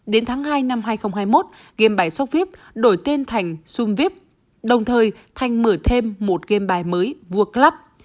đến tháng hai năm hai nghìn hai mươi một game bài socvip đổi tên thành zoomvip đồng thời thành mở thêm một game bài mới vua club